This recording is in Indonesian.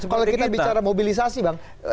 kalau kita bicara mobilisasi bang